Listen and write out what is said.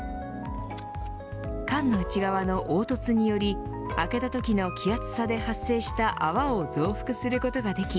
缶の内側の凹凸により開けたときの気圧差で発生した泡を増幅することができ